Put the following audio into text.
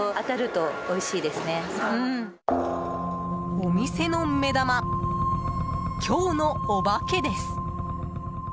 お店の目玉、今日のオバケです。